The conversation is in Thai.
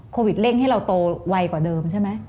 เร่งให้เราโตไวกว่าเดิมใช่ไหม